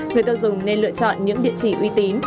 người tiêu dùng nên lựa chọn những địa chỉ uy tín